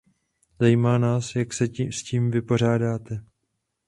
Zajímá nás, jak se s tím vypořádáte.